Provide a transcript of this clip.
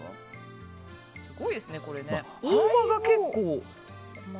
大葉が結構。